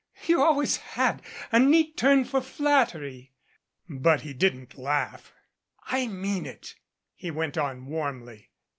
"You always had a neat turn for flattery." But he didn't laugh. "I mean it," he went on warmly.